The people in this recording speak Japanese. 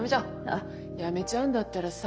あっやめちゃうんだったらさ